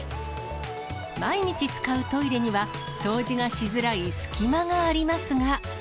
毎日使うトイレには、掃除がしづらい隙間がありますが。